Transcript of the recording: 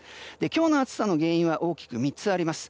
今日の暑さの原因は大きく３つあります。